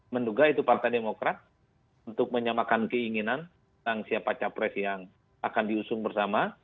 menduga itu partai demokrat untuk menyamakan keinginan tentang siapa capres yang akan diusung bersama